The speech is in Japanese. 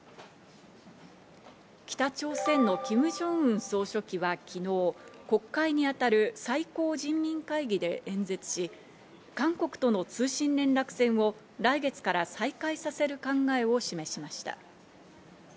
北朝鮮のキム・ジョンウン総書記は昨日、国会に当たる最高人民会議で演説し、韓国との通信連絡線を来月から再開させる考えを示しました。